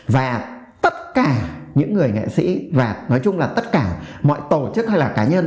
và tất cả những người nghệ sĩ và nói chung là tất cả mọi tổ chức hay là cá nhân